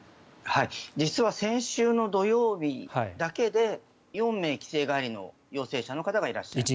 実は先週の土曜日だけで４名、帰省帰りの陽性者の方がいらっしゃいました。